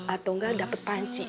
atau enggak dapet panci